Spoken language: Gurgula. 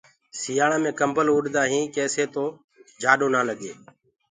سيآݪآ مي ڪمبل اُڏآ هينٚ تآڪي سي نآ لگي۔